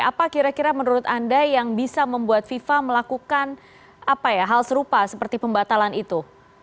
apa kira kira menurut anda yang bisa membuat fifa melakukan hal serupa seperti pembatalan itu